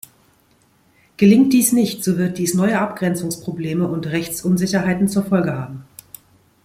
Gelingt dies nicht, so wird dies neue Abgrenzungsprobleme und Rechtsunsicherheiten zur Folge haben.